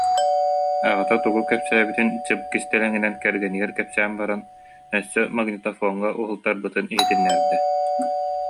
Аҕата тугу кэпсээбитин чып кистэлэҥинэн кэргэнигэр кэпсээн баран, өссө магнитофоҥҥа уһултарбытын иһитиннэрдэ